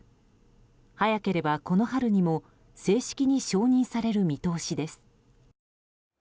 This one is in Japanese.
早ければ、この春にも正式に承認される見通しです。